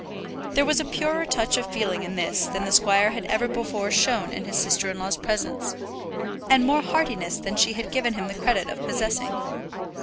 There was a purer touch of feeling in this than the squire had ever before shown in his sister in law's presence, and more heartiness than she had given him the credit of possessing.